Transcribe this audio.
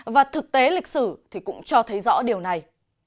và thực tế lịch sử thì cũng cho thấy rõ điều này